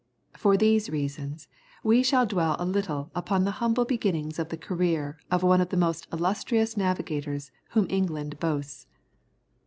For these reasons we shall dwell a little upon the humble beginning of the career of one of the most illustrious navigators whom England boasts.